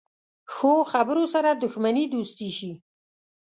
ښو خبرو سره دښمني دوستي شي.